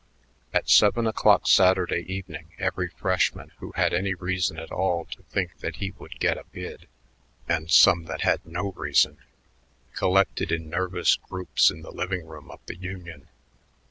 At seven o'clock Saturday evening every freshman who had any reason at all to think that he would get a bid and some that had no reason collected in nervous groups in the living room of the Union.